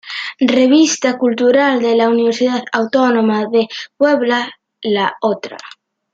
Revista Cultural de la Universidad Autónoma de Puebla", "La Otra.